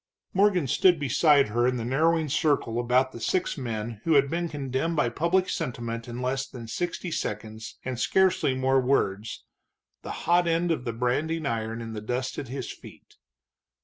Morgan stood beside her in the narrowing circle about the six men who had been condemned by public sentiment in less than sixty seconds and scarcely more words, the hot end of the branding iron in the dust at his feet.